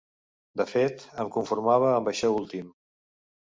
De fet, em conformava amb això últim.